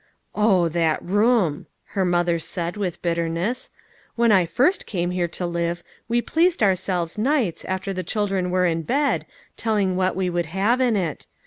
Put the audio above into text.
"Oh, that room," her mother said with bitter ness, " when I first came here to live, we pleased ourselves nights, after the children were in bed, telling what we would have in it.